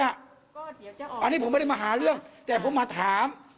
อันนี้ผมไม่ได้มาหาเรื่องแต่ผมมาถาม